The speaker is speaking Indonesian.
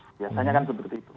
biasanya kan seperti itu